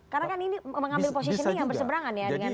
karena kan ini mengambil posisi yang berseberangan ya